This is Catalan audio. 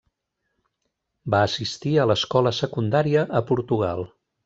Va assistir a l'escola secundària a Portugal.